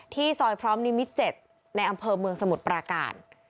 ซอยพร้อมนิมิตร๗ในอำเภอเมืองสมุทรปราการ